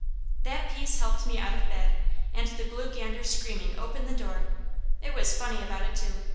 That piece helped me out of bed, and the blue gander screaming opened the door. It was funny about it too.